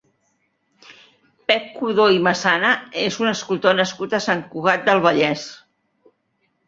Pep Codó i Masana és un escultor nascut a Sant Cugat del Vallès.